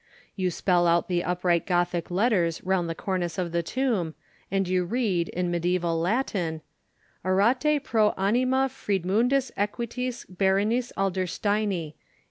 You spell out the upright Gothic letters around the cornice of the tomb, and you read, in mediæval Latin,— "Orate pro Anima Friedmundis Equitis Baronis Adlersteini.